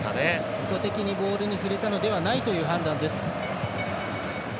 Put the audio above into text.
意図的にボールに触れたのではないという判断です。